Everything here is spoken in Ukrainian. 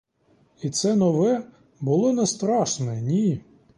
І це нове було не страшне, ні.